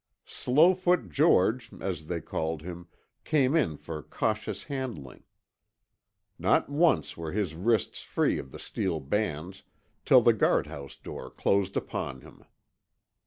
"Slowfoot George," as they called him, came in for cautious handling. Not once were his wrists free of the steel bands till the guardhouse door closed upon him.